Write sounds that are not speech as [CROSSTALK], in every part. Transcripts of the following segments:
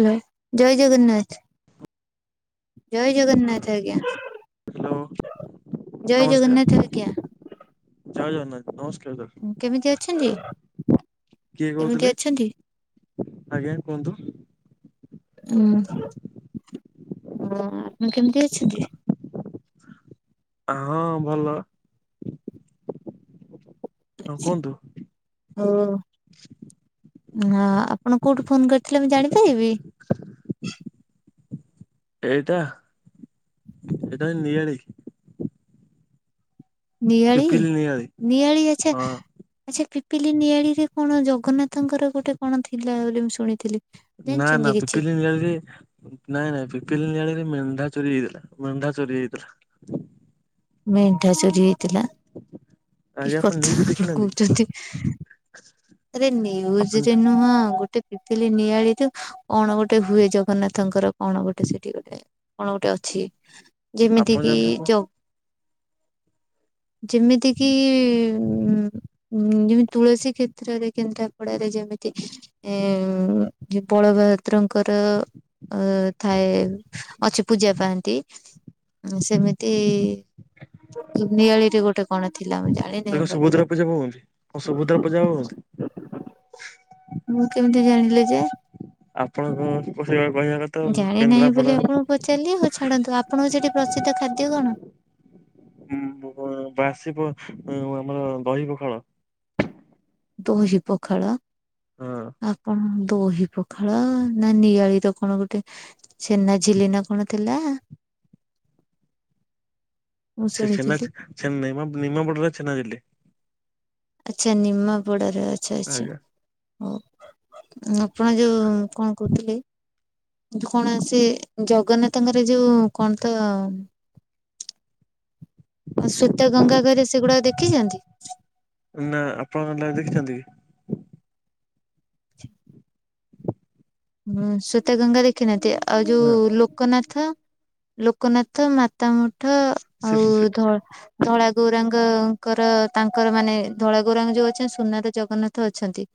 Hello ଜୟ ଜଗନ୍ନାଥ। ଜୟେ ଜଗନ୍ନାଥ ଆଜ୍ଞା। ହାଲୋ। ଜୟେ ଜଗନ୍ନାଥ ଆଜ୍ଞା। ଜୟେ ଜଗନ୍ନାଥ ନମସ୍କାର। ସାର୍ କେମିତି ଅଛନ୍ତି? କିଏ କେମିତି କହୁଥିଲେ? ଅଛନ୍ତି ଆଜ୍ଞା କୁହନ୍ତୁ। ଉଁ ହୁଁ ଆପଣ କେମିତି ଅଛନ୍ତି? ହଁ ଭଲ। ହଁ ଆଛା କୁହନ୍ତୁ? ହଁ ଆପଣ କୋଉଠୁ ଫୋନ କରିଥିଲେ ମୁଁ ଜାଣିପାରିବି ଏଇଟା ଏଇଟା ନିଆଲୀ ନିଆଳି ପିପିଲି ନିଆଳି ନିଆଳି ଆଛା ହଁ ଆଛା। ପିଲି ନିଆଳିରେ କଣ ଜଗନ୍ନାଥଙ୍କର ଗୋଟେ କଣ ଥିଲା ବୋଲି ମୁଁ ଶୁଣିଥିଲି। ନା ଜାଣିଛନ୍ତି ନା କିଛି ପିପିଲି ନିଆରେ ନାଇଁ ନାଇଁ ପିପିଲି ନିଆଳରେ ମେଣ୍ଢା ଚୋରି ହେଇଥିଲା ମେଣ୍ଢା ଚୋରି ହେଇଥିଲା। ମେଣ୍ଢା ଚୋରି ହେଇଥିଲା କି ଆଜ୍ଞା କଥା ନ୍ୟୁଜ ଆପଣ ଦେଖିନାହାନ୍ତି କି କୋହୁଚନ୍ତି? ରେ ଆପଣ ନ୍ୟୁଜରେ ନୁହଁ ଗୋଟେ ସେ ନିଆଳି ତୁ କଣ ଗୋଟେ ହୁଏ ଜଗନ୍ନାଥଙ୍କର କଣ ଗୋଟେ ସେଠି ଗୋଟେ କଣ ଗୋଟେ ଅ କି ଯେମିତି ଆପଣ କି ଜାଣିଥିବେ ଜ ଯେମିତି କିି ଉ ଯେମିତି ତୁଳସୀ କ୍ଷେତ୍ରରେ କେନ୍ଦ୍ରାପଡାରେ ଯେମିତି ତି ଉଁ ବଳଭଦ୍ରଙ୍କର ଅ ଥାଏ ଅଛି ପୂଜା ପାଆନ୍ତି ସେମିତି ନିଆଳିରେ ଗୋଟେ କଣ ଥିଲା ମୁଁ ଜାଣିନି ଭଲରେ ସୁଭଦ୍ରା ପୂଜା ହୁଅନ୍ତି କଣ ସୁଭଦ୍ରା ପୂଜା ହୁଅନ୍ତି? ମୁଁ କେମିତି ଜାଣିଲି ଯେ ଆପଣଙ୍କ ପସେ ଜାଣି ନାହିଁ ବୋଲି ଆପଣଙ୍କୁ ପଚାରିଲି ହଉ ଛାଡନ୍ତୁ ଆପଣଙ୍କ ସେଠି ପ୍ରସିଦ୍ଧ ଖାଦ୍ୟ କଣ? ବାସିବ ଆମର ଦହିବ ପଖାଳ ଦହି ପଖାଳ ହଁ ଆପଣ ଦହି ପଖାଳ ନା ନିଆଳିର କଣ ଗୋଟେ ଚ୍ଛେନାଝିଲି ନା କଣ ଥିଲା? ମୁଁ ସେ ଚ୍ଛେନା ଶୁଣିଥିଲି ନାଇ ମ ନି ନିମାପଡ଼ାରେ ଚ୍ଛେନାଝିଲି। ଆଛା ନିମାପଡ଼ାରେ ଆଛା ଆଛା। ଆଜ୍ଞା ହୋଉ ଆପଣ ଯୋଉ କଣ କହୁଥିଲି? କଣ ସେ ଜଗନ୍ନାଥଙ୍କର ଯୋଉ କଣ ତ ସୂତଗଙ୍ଗା ଘରେ ସେଗୁଡାକ ଦେଖିଛନ୍ତି? ନା ଆପଣ ଲ ଦେଖିଛନ୍ତି କି? [INAUDIBLE] ହୁଁ ଶ୍ଵେତଗଙ୍ଗା ଦେଖିନାହାନ୍ତି ଆଉ ଯୋଉ ନା ଲୋକନାଥ? ଲୋକନାଥ ମାତା ମଠ ସେ ଆଉ ସେ ଧ ଧଳା ଗୌରା ଙ୍ଗଙ୍କର ତାଙ୍କର ମାନେ ଧଳା ଗୌରାଙ୍ଗ ଯୋଉ ଅଛନ୍ତି ସୁନାର ଜଗନ୍ନାଥ ଅଛନ୍ତି।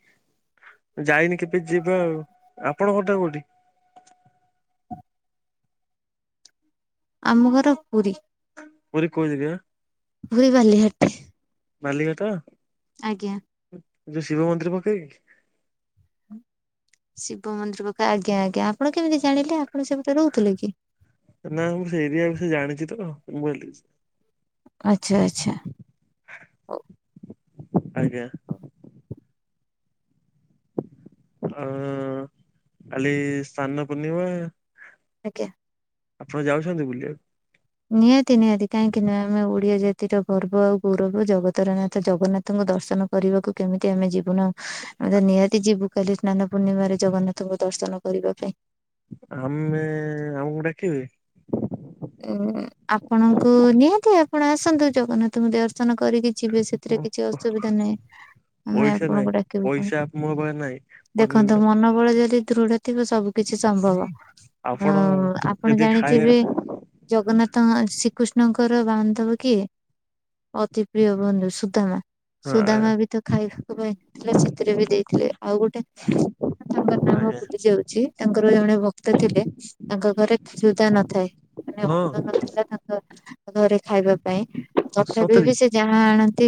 ଯାଇନି କେବେ ଯିବା ଆଉ ଆପଣ ଘରଟା କୋଉଠି? ଆମ ଘର ପୁରୀ ପୁରୀ କୋଉ ଜାଗା? [UNINTELLIGIBLE] ବାଲିଘାଟ ଆଜ୍ଞା। ଯୋଉ ଶିବ ମନ୍ଦିର ପାଖରେ କି? ଶିବ ମନ୍ଦିର ପାଖ ଆଜ୍ଞା! ଆଜ୍ଞା! ଆପଣ କେମିତି ଜାଣିଲେ? ଆପଣ ସେପଟେ ରହୁଥିଲେ କି? ନା ମୁଁ ସେ ଏରିଆ ବିଷୟ ଜାଣିଛି ତ ମୁଁ କହିଲି ଆଚ୍ଛା! ଆଚ୍ଛା! ହଉ। ଆଜ୍ଞା! ହଉ ହଁ କାଲି ସାନ୍ନ ପୂର୍ଣ୍ଣିମା। ଆଜ୍ଞା। ଆପଣ ଯାଉଛନ୍ତି ବୁଲିଆକୁ। ନିହାତି ନିହାତି କାହିଁକି ନୁହେଁ ଆମେ ଓଡିଆ ଜାତିର ଗର୍ବ ଆଉ ଗୌରବ, ଜଗତର ନାଥ ଜଗନ୍ନାଥଙ୍କ ଦର୍ଶନ କରିବାକୁ କେମିତି ଆମେ ଯିବୁନଉ ଆମେ ତ ନିହାତି ଯିବୁ କାଲି ସ୍ନାନ ପୂର୍ଣ୍ଣିମାରେ ଜଗନ୍ନାଥଙ୍କ ଦର୍ଶନ କରିବା ପାଇଁ। ଆମେ ଆମକୁ ଡାକିବେ? ଉଁ ଆପଣଙ୍କୁ ନିହାତି ଆପଣ ଆସନ୍ତୁ ଜଗନ୍ନାଥଙ୍କୁ ଦର୍ଶନ କରିକି ଯିବେ ସେଥିରେ କିଛି ଅସୁବିଧା ନାହିଁ ଆମେ ପଇସା ନାହିଁ ଆପଣଙ୍କୁ ଡାକିବୁ କଣ। ପଇସା ମୋ ପାଖରେ ନାହିଁ। ଦେଖନ୍ତୁ ମନୋବଳ ଯଦି ଦୃଢ ଥିବ ସବୁ କିଛି ସମ୍ଭବ ଅ ଆପଣ ଆପଣ ଯଦି ଜାଣିଥିବେ ଖାଇବା ଜଗନ୍ନାଥଙ୍କ ଶ୍ରୀକୃଷ୍ଣଙ୍କର ବାନ୍ଧବ କିଏ? ଅତି ପ୍ରିୟ ବନ୍ଧୁ ସୁଦ୍ଦାମା। ହଁ ସୁଦାମା ବି ତ ଖାଇବାକୁ ପାଇ ନଥିଲା ସେଥିରେ ବି ଦେଇଥିଲେ, ଆଉ ଗୋଟେ ତାଙ୍କ ନାମ ଆଜ୍ଞା ଭୁଲି ଯାଉଛି, ତାଙ୍କର ଜଣେ ଭକ୍ତ ଥିଲେ ତାଙ୍କ ଘରେ କ୍ଷ୍ୟୁଦା ନଥାଏ ମାନେ ଅନ୍ନ ହଁ ନଥିଲା ତାଙ୍କ ଘରେ ଖାଇବା ପାଇଁ ତଥାପି ସତରେ ବି ସେ ଯାହା ଆଣନ୍ତି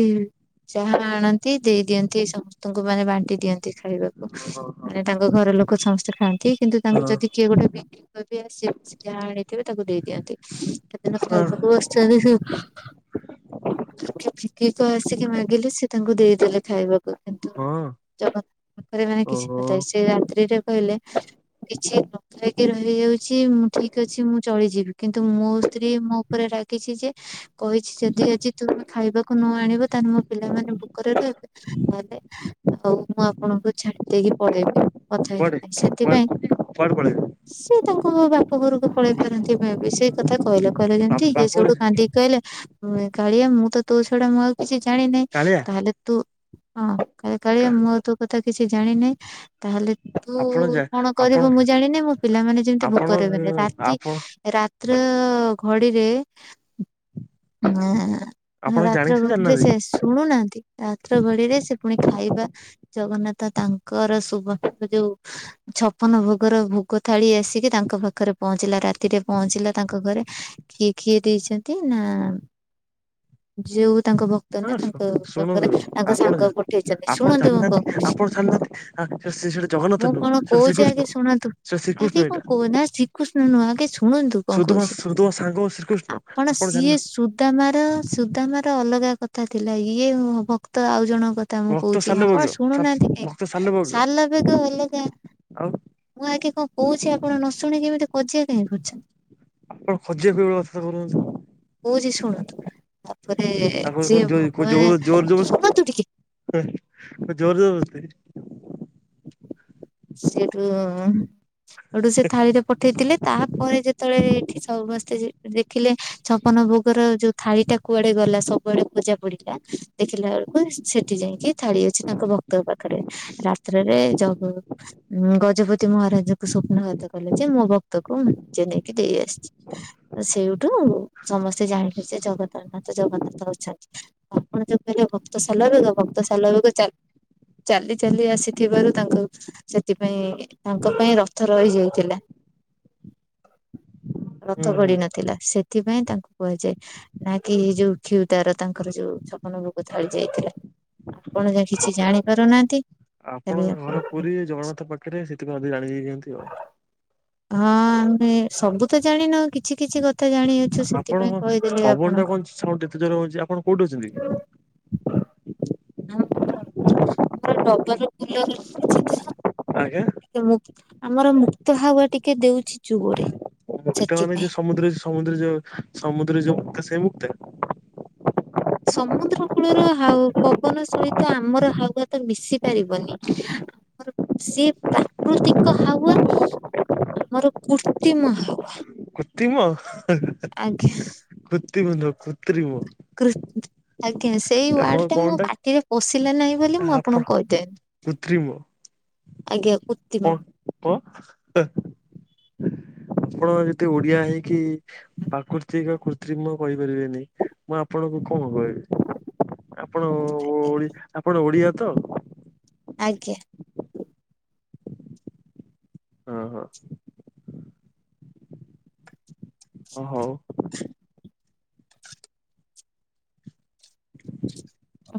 ଯାହା ଆଣନ୍ତି ଦେଇ ଦିଅନ୍ତି ସମସ୍ତଙ୍କୁ ମାନେ ବାଣ୍ଟି ଦିଅନ୍ତି ଖାଇବାକୁ। ହଁ ମାନେ ତାଙ୍କ ଘର ଘର ଲୋକ ସମସ୍ତେ ଖାଆନ୍ତି କିନ୍ତୁ ତାଙ୍କୁ ଯଦି ହଁ କିଏ ଗୋଟେ ବିକ୍ରି କରି ଆସେ ସେ ଯାହା ଆଣଥିବେ ଦେଇ ଦିଅନ୍ତି ସେଦିନ ଖାଇବାକୁ ବସଛନ୍ତି ସେ [UNINTELLIGIBLE] କିକ ଆସିକି ମାଗିଲେ ସି ତାଙ୍କୁ ଦେଇଦେଲେ ଖାଇବାକୁ। କିନ୍ତୁ ହଁ। ପାଖରେ ମାନେ କିଛି ଓହୋ ନ, ସେ ରାତ୍ରିରେ କହିଲେ କିଛି ନ ଖାଇକି ରହିଯାଉଛି ଉଁ ଠିକ ଅଛି ମୁଁ ଚଳିଯିବି କିନ୍ତୁ ମୋ ସ୍ତ୍ରୀ ମୋ ଉପରେ ରାଗିଛି ଯେ କହିଛି ଯଦି ଆଜି ତୁମେ ଖାଇବାକୁ ନ ଆଣିବ ତାହେଲେ ମୋ ପିଲାମାନେ ଭୁକରେ ରହିବେ, ପରେ ଆଉ ମୁଁ ଆପଣଙ୍କୁ ଛାଡି ଦେଇକି ପଳେଇବି। କଥା ହେବି କୁଆଡେ ନାହିଁ, କୁଆଡେ ସେଥିପାଇଁ କୁଆଡେ ପଳେଇବେ ସେ ତାଙ୍କ ବାପ ଘରକୁ ପଳେଇ ପାରନ୍ତି ମେ ବି ସେଇ କଥା କହିଲେ କହିଲେ ଯେମିତି ଇଏ ବାପରେ ସୋଉଠୁ କାନ୍ଦିକି କହିଲେ କାଳିଆ ମୁଁ ତ ତୋ ଛଡା ମୁଁ ଆଉ କିଛି ଜାଣିନାହିଁ, କାଳିଆ ତାହେଲେ ତୁ ହଁ କହିଲେ କାଳିଆ ମୁଁ ଆଉ ତୋ କଥା କିଛି ଜାଣିନାହିଁ, ତାହେଲେ ତୁ ଆପଣ ଯା କଣ ଆପଣ କରିବୁ ମୁଁ ଜାଣିନି ମୋ ପିଲାମାନେ ଯେମିତି ଆପଣ ଭୋକରେ ରହିବେନି, ରାତି ଆପଣ ରାତ୍ର ଘଡିରେ ଏଁ ଆପଣ ରାତ୍ର ଜାଣିକି ନା ଘଡ଼ିରେ ଜାଣିନାହାନ୍ତି ସେ ଶୁଣୁନାହାଁ ନ୍ତି ରାତ୍ର ଘଡ଼ିରେ ସେ ପୁଣି ଖାଇବା ଜଗନ୍ନାଥ ତାଙ୍କର ସୁବର୍ଣ୍ଣର ଯୋଉ ଛପନ ଭୋଗର ଭୋଗ ଥାଳି ଆସିକି ତାଙ୍କ ପାଖରେ ପହଞ୍ଚିଲା, ରା ରାତିରେ ପହଞ୍ଚିଲା ତାଙ୍କ ଘରେ କିଏ କିଏ ଦେଇଛନ୍ତି? ନା ଯେଉ ତାଙ୍କ ଭ କ୍ତ ନା ହଁ ତାଙ୍କ ଶୁଣନ୍ତୁ ପାଖରେ ତାଙ୍କ ଆପଣ ଯା ସାଙ୍ଗ ପଠେଇଛନ୍ତି, ଆପଣ ଶୁଣନ୍ତୁ ମୁଁ କଣ ଜାଣିନାହାନ୍ତି କହୁଛି। ଆପଣ ଜାଣିନାହାନ୍ତି ସେଟା ଜଗନ୍ନାଥ ମୁଁ ନୁହଁ କଣ ସେଟା କହୁଛି ଶ୍ରୀକୃଷ୍ଣ ଆଗେ ଶୁଣନ୍ତୁ। ସେଟା ଶ୍ରୀକୃଷ୍ଣ ଆଗେ କଣ ଏଇଟା କହୁ ନା ଶ୍ରୀକୃଷ୍ଣ ନୁହଁ ଆଗେ ସୁ ଶୁଣନ୍ତୁ କଣ ସୁଦମା କହୁଚି। ସୁଦମା ସାଙ୍ଗ ଶ୍ରୀକୃଷ୍ଣ ଆପଣ ଜାଣିନ ସିଏ ସୁଦାମାର ସ ସୁଦାମାର ଅଲଗା କଥା ଥିଲା। ଇଏ ଭକ୍ତ ଆଉ ଜଣ କଥା ମୁଁ ଭକ୍ତ କହୁଛି ଆପଣ ସାଲବଜ୍ଞ ଶୁଣୁନାହାନ୍ତି ଭକ୍ତ କାହିଁକି ସାଲବଜ୍ଞ ସାଲବେଗ ହେଲେ କା ଆଉ ମୁଁ ଆଗେ କଣ କହୁଛି ଆପଣ ନ ଶୁଣି କେମିତି କଜିଆ କାହିଁ କରୁଛନ୍ତି? ଆପଣ କଜିଆ କରିବାର ଅର୍ଥ [UNINTELLIGIBLE] ବୁଝି ଶୁଣନ୍ତୁ। ତାପରେ ଆପଣ କଣ ସିଏ ଜୋର ଭଗବାନ ଜବରଦସ୍ତି ଶୁଣନ୍ତୁ ଟିକେ ଜୋର ଜୋର ବୋଧେ ସେଠୁ ସେଠୁ ସେ ଥାଳିରେ ପଠେଇଥିଲେ ତାପରେ ଯେ ଯେତେଳେ ଏଠି ସମସ୍ତେ ଦେଖିଲେ ଛପନ ଭୋଗର ଯୋଉ ଥାଳି ଟା କୁଆଡେ ଗଲା ସବୁଆଡେ ଖୋଜା ପଡିଲା ଦେଖିଲା ବେଳକୁ ସେଠି ଯାଇକି ଥାଳି ଅଛି ତାଙ୍କ ଭକ୍ତ ପାଖରେ ରା ପରେ ଜଗ ଉଁ ଗଜପତି ମହାରାଜ ଙ୍କୁ ସ୍ୱପ୍ନଘାତ କଲେ ଯେ ମୋ ଭକ୍ତକୁ ନିଜେ ନେଇକି ଦେଇ ଆସିଛି ସେଇଠୁ ସମସ୍ତେ ଜାଣିିଲେ ଯେ ଜଗତରନାଥ ଜଗନ୍ନାଥ ଅଛନ୍ତି। ଆପଣ ଯୋଉ କହିଲେ ଭକ୍ତ ସାଲବେଗ ଭକ୍ତ ସାଲବେଗ ଚାଲି ଚାଲି ଆସି ଥିବାରୁ ତାଙ୍କ ସେଥିପାଇଁ ତାଙ୍କ ପାଇଁ ରଥ ରହିଯାଇଥିଲା। ରଥ ହୁଁ ହୁଁ ଗଡ଼ି ନଥିଲା। ସେଥିପାଇଁ ତାଙ୍କୁ କୁହାଯାଏ ନା କି ଯୋଉ କ୍ଷୁଧାର ତାଙ୍କର ଯୋଉ ଛପନ ଭୋକ ଥାଳି ଯାଇଥାଏ। ଆପଣ ଆ କିଛି ଜାଣି ପାରୁନାହାନ୍ତି। ତାହେଲେ ଆପଣଙ୍କ ଆପଣ ଘର ହଁ ପୁରୀ ଜଗନ୍ନାଥ ପାଖରେ ସେଥିପାଇଁ ଜାଣି ଯାଇଛନ୍ତି ଆଉ। ହଁମ ଆମେ ସବୁ ତ ଜାଣି ନାହୁଁ କିଛି କିଛି କଥା ଜାଣି ଅଛୁ ଆପଣ ସେଥିପାଇଁ କହିଦେଲେ ପବନ ଟା ଆପଣଙ୍କୁ। କଣ ସାଉଣ୍ଡ ଏତେ ଜୋର ହଉଛି ଆପଣ କୋଉଠି ଅଛନ୍ତି କି? ହ [UNINTELLIGIBLE] ଆଜ୍ଞା। ଟିକେ ମୁ ଆମର ମୁକ୍ତ ହାୱା ଟିକେ ଦଉଛି ଜୋରେ ମୁକ୍ତା ମାନେ ସେଥିପାଇଁ। ଯୋଉ ସମୁଦ୍ର ସମୁଦ୍ର ଯୋଉ ସମୁଦ୍ର ଯୋଉ ମୁକ୍ତା ସେଇ ମୁକ୍ତା। ସମୁଦ୍ର କୂଳର ହାଉ ପବନ ସହିତ ଆମର ହାୱଆ ତ ମିଶି ପାରିବନି। ଆ ସେ ପ୍ରାକୃତିକ ହାୱଆ। ଆମର କୃତ୍ରିମ ହାୱା। କୃତିମ ହେଁ ହେଁ ଆଜ୍ଞା କୃତିମ ନୁହଁ କୃତ୍ରୀମ। କୃ ଆଗ ସେଇ କଣ ୱାର୍ଡ ଟା ମୋ କଣଟା ପାଟିରେ ପଷିଲା ନାହିଁ ବୋଲି ମୁଁ ଆପଣ ଆପଣଙ୍କୁ କହିଦେ କୃତ୍ରିମ। ଆଜ୍ଞା। କଣ ହଁ। ଆପଣ ଯଦି ଓଡିଆ ହେଇକି ପ୍ରାକୃତିକ କୃତ୍ରିମ କହି କହି ପାରିବେନି ମୁଁ ଆପଣଙ୍କୁ କଣ କହିବି ଆପଣ ଆପଣ ଓଡିଆ ତ? ଆଜ୍ଞା। ହଁ ହଁ ହଉ ଓ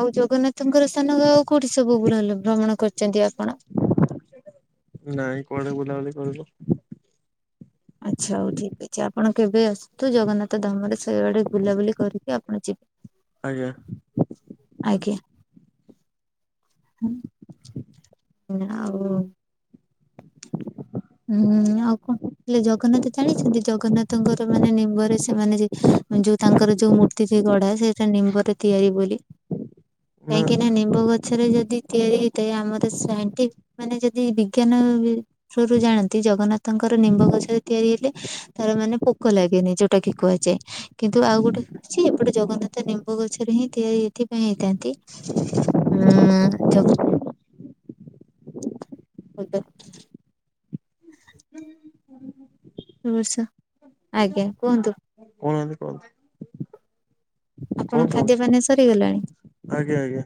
ଆଉ ଜଗନ୍ନାଥଙ୍କର ସ୍ଥାନ ଆଉ କୋଉଠି ସବୁ ଭଲ ଭୃ ଭ୍ରମଣ କରିଛନ୍ତି ଆପଣ? ନାଇଁ କୁଆଡେ ବୁଲାବୁଲି କରିନୁ। ଆଚ୍ଛା ହଉ ଠିକ ଅଛି ଆପଣ କେବେ ଆସନ୍ତୁ ଜଗନ୍ନାଥ ଧାମରେ ସେଇଆଡେ ବୁଲାବୁଲି କରିକି ଆପଣ ଯିବେ। ଆଜ୍ଞା। ଆଜ୍ଞା। ଆଉ ହୁଁ ଆଉ କଣ କହିଲେ ଜଗନ୍ନାଥ ଜାଣିଛନ୍ତି ଜଗନ୍ନାଥଙ୍କର ମାନେ ନିମ୍ବରେ ସେମାନେ ଯୋଉ ତାଙ୍କର ଯୋଉ ମୂର୍ତ୍ତି ଗଢା ସେଇଟା ନିମ୍ବରେ ତିଆରି ବୋଲି। କାହିଁକି ନା ନିମ୍ବ ଗଛରେ ଯଦି ତିଆରି ହେଇଥାଏ ଆମର ସାଇଣ୍ଟିଫ ମାନେ ଯଦି ବିଜ୍ଞାନ ରୁ ଜାଣନ୍ତି ଯଦି ଜଗନ୍ନାଥଙ୍କର ନିମ୍ବ ଗଛରେ ତିଆରି ହେଲେ ତାର ମାନେ ପୋକ ଲାଗେ। ନିଜଟା କି କୁହାଯାଏ କିନ୍ତୁ ଆଉ ଗୋଟେ ହଉଛି ଏପଟେ ଜଗନ୍ନାଥ ନିମ୍ବ ଗଛରେ ହିଁ ତିଆରି ଏଥିପାଇଁ ହେଇଥାନ୍ତି ଉ ଜଗ ହଁ ତ ନମଷ ଆଜ୍ଞା କୁହନ୍ତୁ। କହୁନାହାନ୍ତି କୁହନ୍ତୁ କଣ ଆପଣଙ୍କ ସମସ୍ୟା? ଖାଦ୍ୟପାନୀୟ ସରିଗଲାଣି? ଆଜ୍ଞା ଆଜ୍ଞା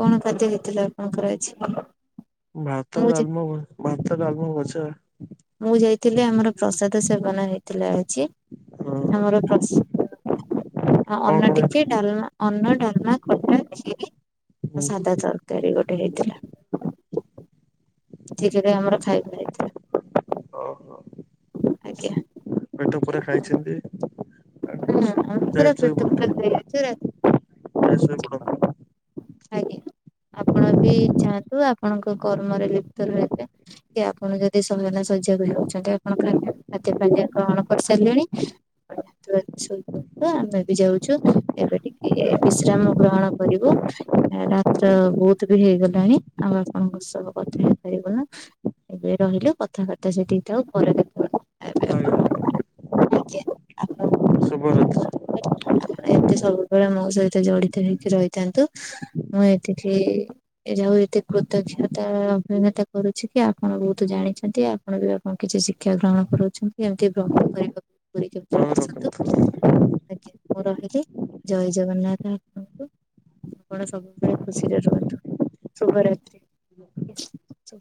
କଣ ଖାଦ୍ୟ ହେଇଥିଲା ଆପଣଙ୍କର ଆଜି? ଭାତ, ମୁଁ ଡାଲମା, ଭ-ଭାତ, ଡାଲମା, ଭଜା। କୁ ଯାଇଥିଲେ ଆମର ପ୍ରସାଦ ସେବନ ହେଇଥିଲା ଆଜି। ଆମର ହଁ। କଣ ପ୍ରସ୍-ଅ-ଅନ୍ନ କଣ ଟିକେ, ଡାଲମା ଅନ୍ନ, ଡାଲମା, ଖଟା, ଖିରି ଓ ହେଇଥିଲା? ସାଧା ତରକାରୀ ଗୋଟେ ହେଇଥିଲା। ସେଥିପାଇଁ ଆମର ଖାଇବା ଓହୋ ହେଇଥିଲା ଆଜ୍ଞା। ପେଟ ପୁରା ଖାଇଛନ୍ତି? ହଁ ମୁଁ ଯାଇ ପୁରା ପେଟ ପୁରା ଖାଇଚି ଆ ତାହେଲେ ଶୋଇପଡ଼। ଆଜ୍ଞା। ଆପଣ ବି ଯାଆନ୍ତୁ ଆପଣଙ୍କ କର୍ମରେ ଲିପ୍ତ ରହିବେ କି ଆପଣ ଯଦି ସମୟ ନାହିଁ ସ ପୁଜା ବି ହୋଉଚନ୍ତି ଆପଣଙ୍କର [UNINTELLIGIBLE] ଏଥିପାଇଁ କଣ କରିସାରିଲେଣି ଥିବାରୁ ଶୋଇପଡିବ ଆମେ ବି ଯାଉଚୁ ଏବେ ଟିକିଏ ବିଶ୍ରାମ ଗ୍ରହଣ କରିବୁ। ଆ ରାତ୍ର ବୋହୁତ ବି ହେଇଗଲାଣି ଆଉ ଆପଣଙ୍କ ସହ କଥା ହେଇପାରିବୁନୁ। ଏବେ ରହିଲୁ କଥାବାର୍ତ୍ତା ସେତିକି ଥାଉ ପରେ କଥାହବା ଏବେ ଆଜ୍ଞା ଆଉ ଆଜ୍ଞା ଆପଣ ଶୁଭରାତ୍ରି। ହୋଉ ଆଜ୍ଞା। ଏମତି ସବୁବେଳେ ମୋ ସହିତ ଜଡିତ ହେଇକି ରହିଥାନ୍ତୁ ମୁଁ ଏତିକି ଏ ଆଉ ଏଠି କୃତଜ୍ଞତା [UNINTELLIGIBLE] କରୁଛି କି ଆପଣ ବୋହୁତୁ ଜାଣିଛନ୍ତି ଆପଣ ବି ଆପଣ କିଛି ଶିଖ୍ କ୍ଷା ଗ୍ରହଣ କରୋଉଛନ୍ତି ଏମତି ବ୍ରହ୍ମ କରିବାକୁ ପଡିଯାଉ ହୋଉ ରଖନ୍ତୁ। ଆଜ୍ଞା ମୁଁ ରହିଲି ଜୟ ଜଗନ୍ନାଥ ଆପଣଙ୍କୁ। ଆପଣ ସବୁବେଳେ ଖୁସିରେ ରୁହନ୍ତୁ ଶୁଭରାତ୍ରି। କିଛି ଚୋ